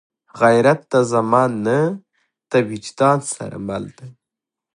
غیرت د زمان نه، د وجدان سره مل دی